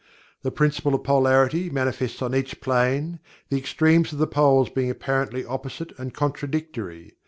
The Principle of Polarity manifests on each plane, the extremes of the Poles being apparently opposite and contradictory.